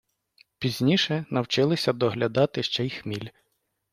Пізніше навчилися доглядати ще й хміль.